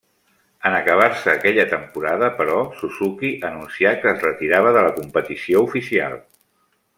En acabar-se aquella temporada, però, Suzuki anuncià que es retirava de la competició oficial.